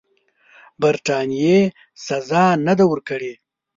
برټانیې سزا نه ده ورکړې.